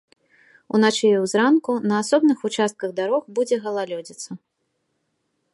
Уначы і зранку на асобных участках дарог будзе галалёдзіца.